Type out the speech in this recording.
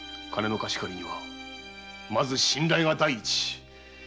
金の貸し借りにはまず信頼が第一。